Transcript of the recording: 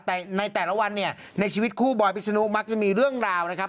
แต่ในแต่ละวันเนี่ยในชีวิตคู่บอยพิศนุมักจะมีเรื่องราวนะครับ